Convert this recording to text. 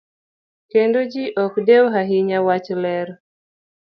Kendo ji ok dew ahinya wach ler.